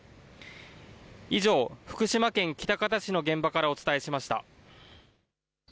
以上、福島県喜多方市の現場からお伝えしました。